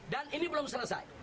dan ini belum selesai